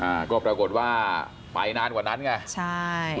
อ่าก็ปรากฏว่าไปนานกว่านั้นไงใช่